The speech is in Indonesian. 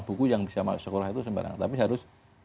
buku yang bisa masuk sekolah itu sembarang tapi harus